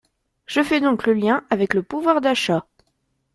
Je fais donc le lien avec le pouvoir d’achat.